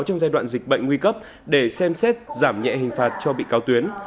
trong giai đoạn dịch bệnh nguy cấp để xem xét giảm nhẹ hình phạt cho bị cáo tuyến